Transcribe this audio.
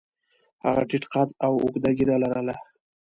هغه ټیټ قد او اوږده ږیره لرله.